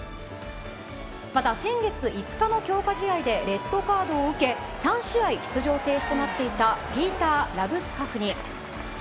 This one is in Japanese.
また先月５日の強化試合でレッドカードを受け、３試合出場停止となっていたピーター・ラブスカフニ。